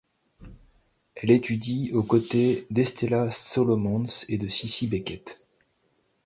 Elle étudie aux côtés d'Estella Solomons et de Cissie Beckett.